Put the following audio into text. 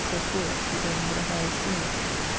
e. Seth Ward, who then had a high esteeme of him.